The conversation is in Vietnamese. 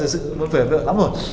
thực sự muốn về vợ lắm rồi